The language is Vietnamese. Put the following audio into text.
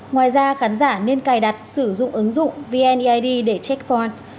ngoài ra khán giả nên cài đặt sử dụng ứng dụng vneid để check on